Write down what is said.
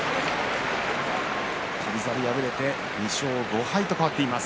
翔猿敗れて２勝５敗と変わっています。